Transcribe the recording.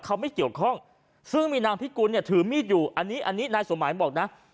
เขาไม่เกี่ยวข้องซึ่งมีนางพิกุลเนี่ยถือมีดอยู่อันนี้อันนี้นายสมหมายบอกนะ